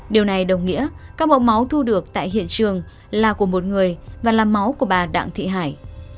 điều này đồng nghĩa các mẫu máu thu được tại hiện trường là của một người và là máu của bà đặng thị hải